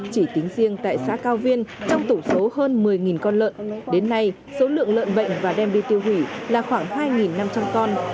chỉ tính riêng tại xã cao viên trong tổng số hơn một mươi con lợn đến nay số lượng lợn bệnh và đem đi tiêu hủy là khoảng hai năm trăm linh con